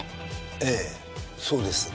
ええそうですが。